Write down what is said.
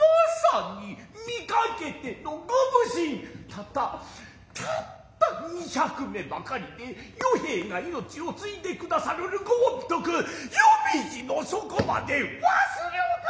たったたった二百匁ばかりで与兵衛が命をついで下さるる御恩徳黄泉路の底まで忘りょうか。